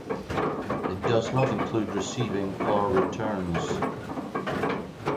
It does not include receiving or returns.